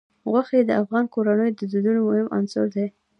غوښې د افغان کورنیو د دودونو مهم عنصر دی.